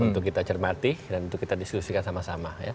untuk kita cermati dan itu kita diskusikan sama sama